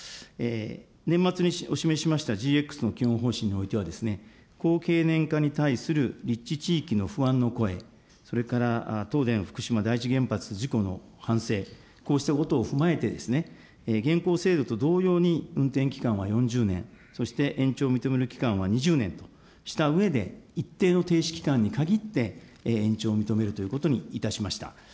年末にお示ししましたＧＸの基本方針においては、高経年化に対する立地地域の不安の声、それから東電福島第一原発事故の反省、こうしたことを踏まえて、現行制度と同様に運転期間は４０年、そして延長を認める期間は２０年としたうえで、一定の停止期間に限って、延長を認めるということにいたしました。